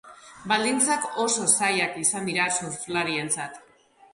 Baldintzak oso zailak izan dira surflarientzat.